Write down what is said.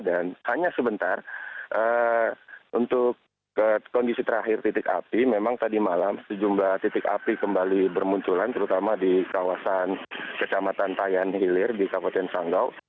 dan hanya sebentar untuk kondisi terakhir titik api memang tadi malam sejumlah titik api kembali bermunculan terutama di kawasan kecamatan tayan hilir di kabupaten sanggau